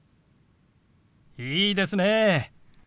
いいですね！